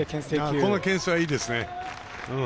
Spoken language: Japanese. このけん制はいいですね。